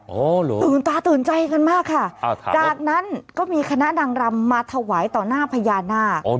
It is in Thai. อ๋อเหรอตื่นตาตื่นใจกันมากค่ะอ่าถามจากนั้นก็มีคณะดังรำมาถวายต่อหน้าพญานาค